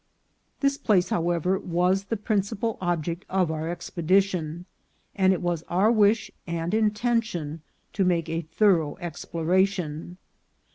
This place, howev er, was the principal object of our expedition, and it was our wish and intention to make a thorough exploration.